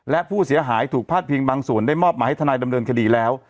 และผู้เสียหายถูกพาดพิงบางส่วนได้มอบมาให้ทนายดำเนินคดีแล้ว